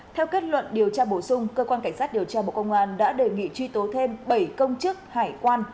theo kết luận điều tra bổ sung cơ quan cảnh sát điều tra bộ công an đã đề nghị truy tố thêm bảy công chức hải quan